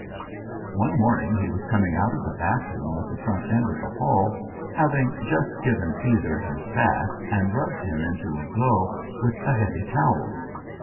One morning he was coming out of the bathroom at the front end of the hall, having just given Caesar his bath and rubbed him into a glow with a heavy towel.